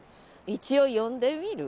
一応呼んでみる？